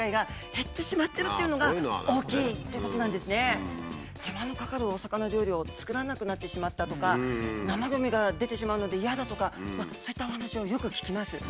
実は手間のかかるお魚料理を作らなくなってしまったとか生ゴミが出てしまうので嫌だとかそういったお話をよく聞きます。